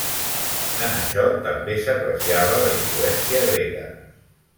En això també s'apreciava la influència grega.